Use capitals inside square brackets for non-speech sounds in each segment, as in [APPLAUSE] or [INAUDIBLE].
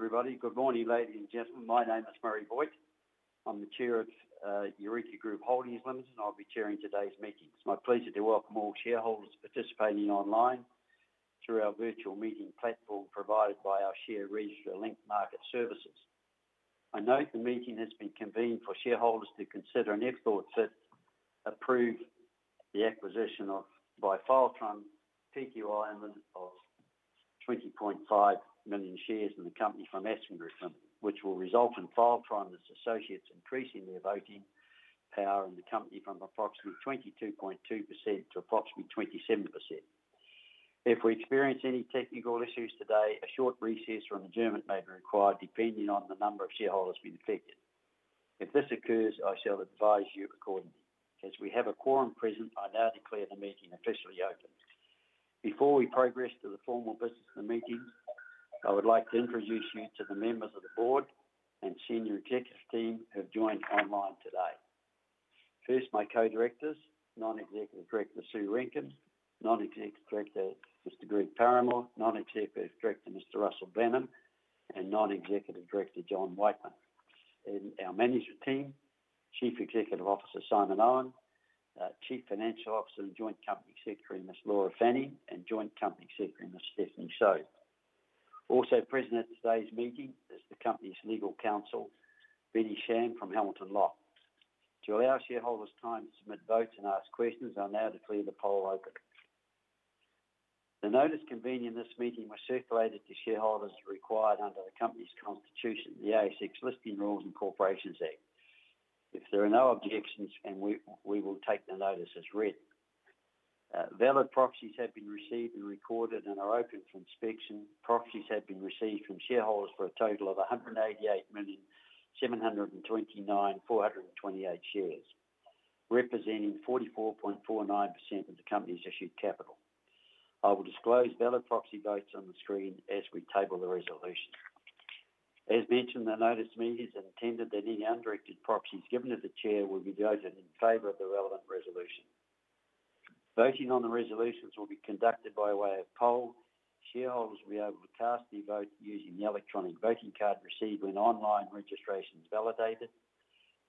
Everybody, good morning, ladies and gentlemen. My name is Murray Boyte. I'm the Chair of Eureka Group Holdings Ltd, and I'll be chairing today's meeting. It's my pleasure to welcome all shareholders participating online through our virtual meeting platform provided by our share register, Link Market Services. I note the meeting has been convened for shareholders to consider, and [AUDIO DISTORTION] approve the acquisition by Filetron Pty Ltd, of 20.5 million shares in the company from Aspen Group, which will result in Filetron's associates increasing their voting power in the company from approximately 22.2% to approximately 27%. If we experience any technical issues today, a short recess from the [AUDIO DISTORTION] may be required depending on the number of shareholders being affected. If this occurs, I shall advise you accordingly. As we have a quorum present, I now declare the meeting officially open. Before we progress to the formal business of the meeting, I would like to introduce you to the members of the board and senior executive team who have joined online today. First, my co-directors, Non-executive Director, Sue Renkin, Non-executive Director, Mr. Greg Paramor, Non-executive Director, Mr. Russell Banham, and Non-executive Director, John Whiteman. In our management team, Chief Executive Officer, Simon Owen, Chief Financial Officer and Joint Company Secretary, Miss Laura Fanning, and Joint Company Secretary, Miss [Stephanie Shaw]. Also present at today's meeting is the company's legal counsel, Betty Sham from Hamilton Locke. To allow shareholders time to submit votes and ask questions, I'll now declare the poll open. The notice convening this meeting was circulated to shareholders required under the company's constitution, the ASX Listing Rules and Corporations Act. If there are no objections, then we will take the notice as read. Valid proxies have been received and recorded, and are open for inspection. Proxies have been received from shareholders for a total of 188,729,428 shares, representing 44.49% of the company's issued capital. I will disclose valid proxy votes on the screen as we table the resolution. As mentioned, the Notice of Meeting is intended that any undirected proxies given to the chair will be voted in favor of the relevant resolution. Voting on the resolutions will be conducted by way of poll. Shareholders will be able to cast their vote using the electronic voting card received when online registration is validated.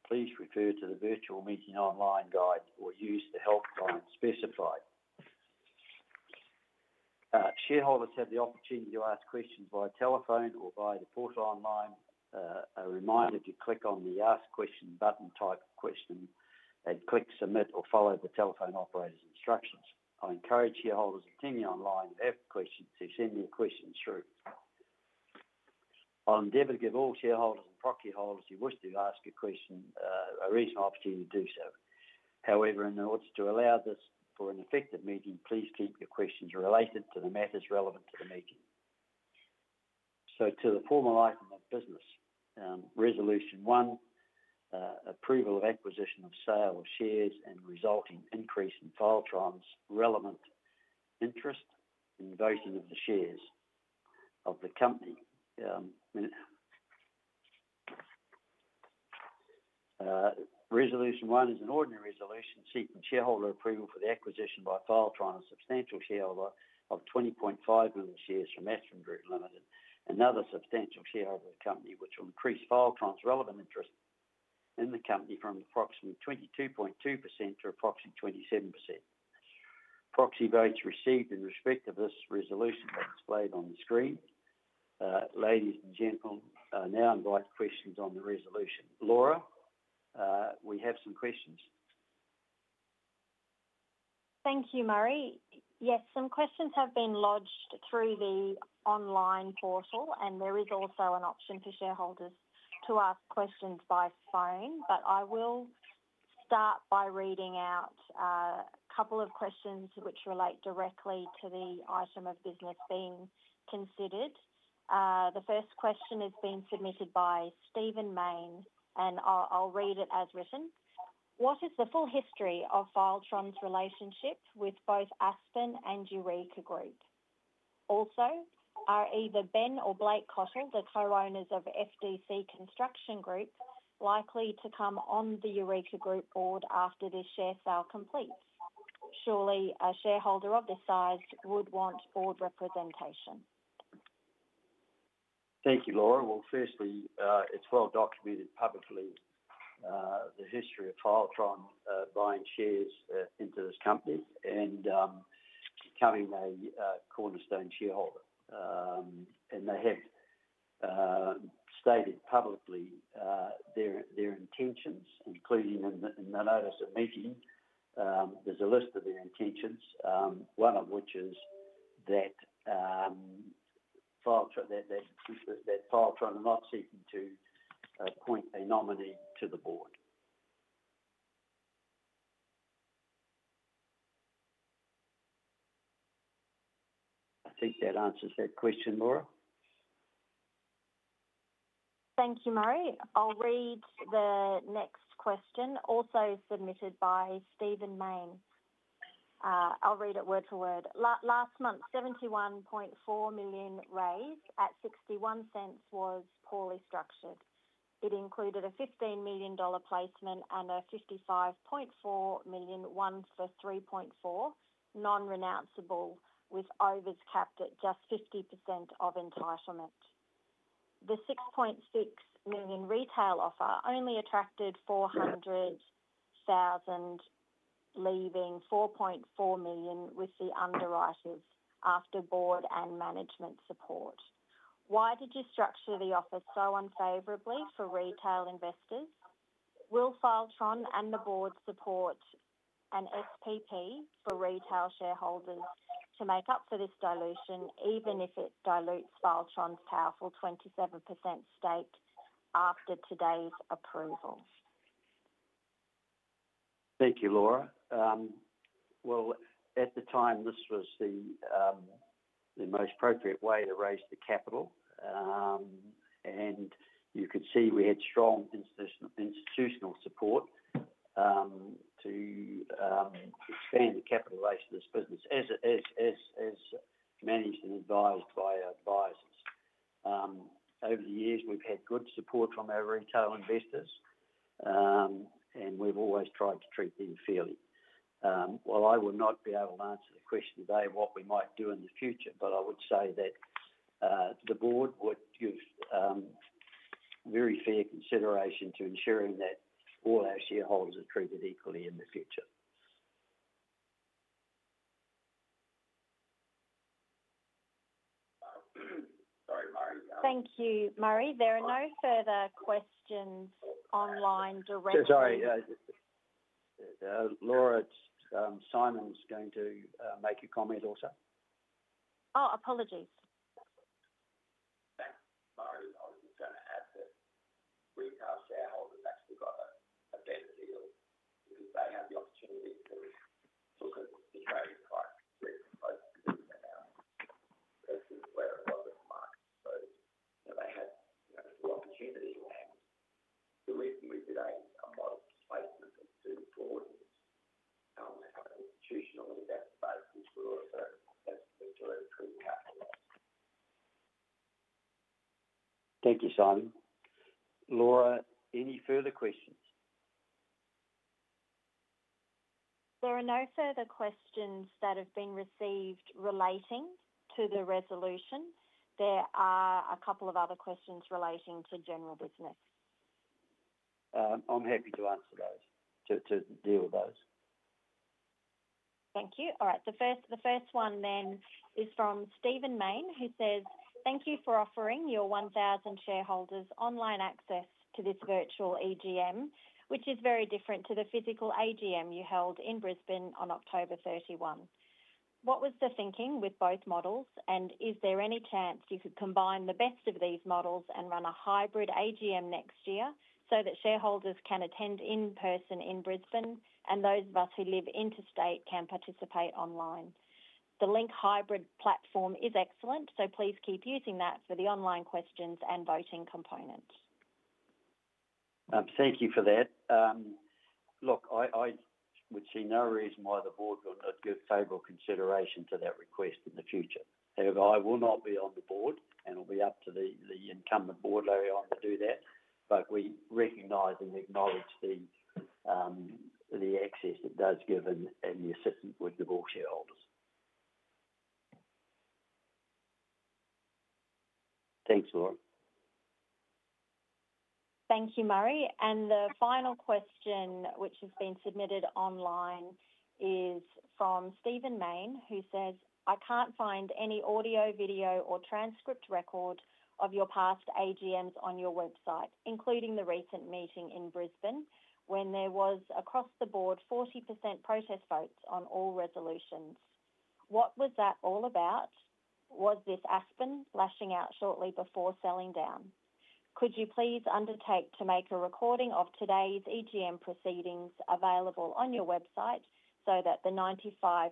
Please refer to the virtual meeting online guide or use the help line specified. Shareholders have the opportunity to ask questions via telephone or via the portal online. A reminder to click on the ask question button, type question, and click submit or follow the telephone operator's instructions. I encourage shareholders attending online, if you have questions, to send your questions through. I'll endeavor to give all shareholders and proxy holders who wish to ask a question a reasonable opportunity to do so. However, in order to allow this for an effective meeting, please keep your questions related to the matters relevant to the meeting. To the formal item of business, resolution one, approval of acquisition of sale of shares and resulting increase in Filetron's relevant interest in voting of the shares of the company. Resolution one is an ordinary resolution seeking shareholder approval for the acquisition by Filetron, of substantial shareholder of 20.5 million shares from Aspen Group Ltd, another substantial shareholder of the company, which will increase Filetron's relevant interest in the company from approximately 22.2% to approximately 27%. Proxy votes received in respect of this resolution are displayed on the screen. Ladies and gentlemen, I now invite questions on the resolution. Laura, we have some questions. Thank you, Murray. Yes, some questions have been lodged through the online portal, and there is also an option for shareholders to ask questions by phone, but I will start by reading out a couple of questions which relate directly to the item of business being considered. The first question has been submitted by Stephen Mayne, and I'll read it as written. What is the full history of Filetron's relationship with both Aspen and Eureka Group? Also, are either Ben or Blake Cottle, the co-owners of FDC Construction Group, likely to come on the Eureka Group board after this share sale completes? Surely, a shareholder of this size would want board representation. Thank you, Laura. Firstly, it's well documented publicly, the history of Filetron buying shares into this company and becoming a cornerstone shareholder. They have stated publicly their intentions, including in the notice of meeting. There's a list of their intentions, one of which is that Filetron is not seeking to appoint a nominee to the board. I think that answers that question, Laura. Thank you, Murray. I'll read the next question, also submitted by Stephen Mayne. I'll read it word for word. Last month, 71.4 million raised at 0.61 was poorly structured. It included a $15 million placement and a 55.4 million one for 3.4 non-renounceable, with overs capped at just 50% of entitlement. The 6.6 million retail offer only attracted 400,000, leaving 4.4 million with the underwriters after board and management support. Why did you structure the offer so unfavorably for retail investors? Will Filetron and the board support an SPP for retail shareholders to make up for this dilution, even if it dilutes Filetron's powerful 27% stake after today's approvals? Thank you, Laura. At the time, this was the most appropriate way to raise the capital, and you could see we had strong institutional support to expand the capital raised for this business, as managed and advised by our advisors. Over the years, we've had good support from our retail investors, and we've always tried to treat them fairly. While I will not be able to answer the question today what we might do in the future, but I would say that the board would give very fair consideration to ensuring that all our shareholders are treated equally in the future. Thank you, Murray. There are no further questions online directly. Sorry. Laura, Simon's going to make a comment also. Oh, apologies. [AUDIO DISTORTION] Murray, I was just going to add that Eureka shareholders actually got a better deal, because they had the opportunity to [AUDIO DISTORTION] at the market. They had the full opportunity, and the reason [AUDIO DISTORTION] placement of two board members. [AUDIO DISTORTION] Thank you, Simon. Laura, any further questions? Laura, no further questions have been received relating to the resolution. There are a couple of other questions relating to general business. I'm happy to deal with those. Thank you. All right, the first one then is from Stephen Mayne, who says, "Thank you for offering your 1,000 shareholders online access to this virtual AGM, which is very different to the physical AGM you held in Brisbane on October 31. What was the thinking with both models, and is there any chance you could combine the best of these models and run a hybrid AGM next year, so that shareholders can attend in person in Brisbane and those of us who live interstate can participate online? The Link hybrid platform is excellent, so please keep using that for the online questions and voting component." Thank you for that. Look, I would see no reason why the board would not give favorable consideration to that request in the future. However, I will not be on the board, and it'll be up to the incumbent board later on to do that, but we recognize and acknowledge the access it does give and the assistance with the board shareholders. Thanks, Laura. Thank you, Murray. The final question which has been submitted online is from Stephen Mayne, who says, "I can't find any audio, video, or transcript record of your past AGMs on your website, including the recent meeting in Brisbane, when there was across-the-board 40% protest votes on all resolutions. What was that all about? Was this Aspen lashing out shortly before selling down? Could you please undertake to make a recording of today's AGM proceedings available on your website, so that the 95%+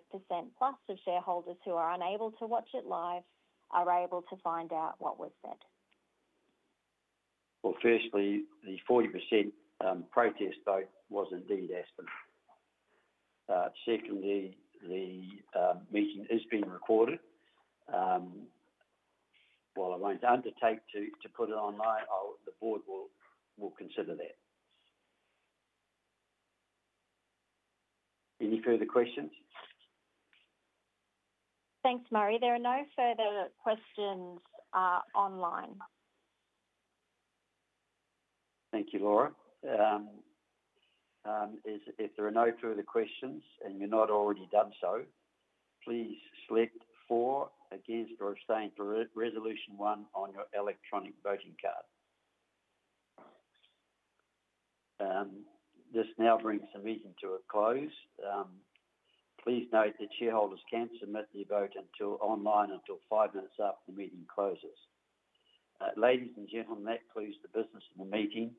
of shareholders who are unable to watch it live are able to find out what was said?" Firstly, the 40% protest vote was indeed Aspen. Secondly, the meeting is being recorded. While I won't undertake to put it online, the board will consider that. Any further questions? Thanks, Murray. There are no further questions online. Thank you, Laura. If there are no further questions and you've not already done so, please select for, against, or abstain for resolution one on your electronic voting card. This now brings the meeting to a close. Please note that shareholders can submit their vote online until five minutes after the meeting closes. Ladies and gentlemen, that concludes the business of the meeting.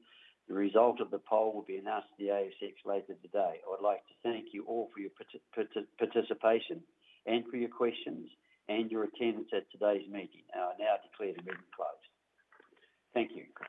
The result of the poll will be announced to the ASX later today. I would like to thank you all for your participation, and for your questions and your attendance at today's meeting. I now declare the meeting closed. Thank you.